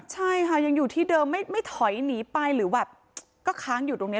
ใช่ค่ะยังอยู่ที่เดิมไม่ถอยหนีไปหรือแบบก็ค้างอยู่ตรงนี้